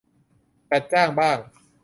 จัดจ้างบ้าง